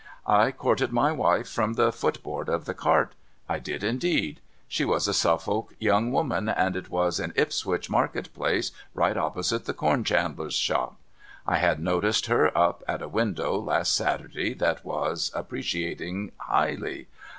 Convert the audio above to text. I courted my wife from the footboard of the cart. I did indeed. She Avas a Suffolk young woman, and it was in Ipswich market place right oi)posite the corn chandler's shop. I had noticed her up at a window last Saturday that was, appreciating highly.